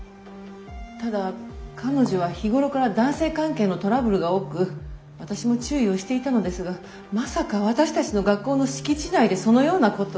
ただ彼女は日頃から男性関係のトラブルが多く私も注意をしていたのですがまさか私たちの学校の敷地内でそのようなことを。